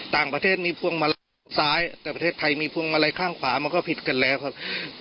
ต่างประเทศมีพวงมาลัยซ้ายแต่ประเทศไทยมีพวงมาลัยข้างขวามันก็ผิดกันแล้วครับ